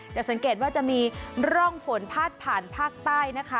จะสังเกตว่าจะมีร่องฝนพาดผ่านภาคใต้นะคะ